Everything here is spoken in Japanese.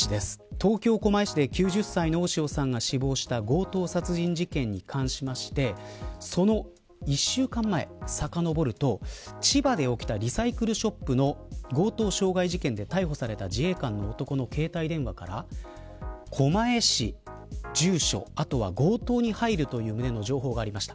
東京、狛江市で大塩さんが死亡した強盗殺人事件に関しましてその１週間前、さかのぼると千葉で起きたリサイクルショップの強盗傷害事件で逮捕された自衛官の男の携帯電話から狛江市、住所、あとは強盗に入るという旨の情報がありました。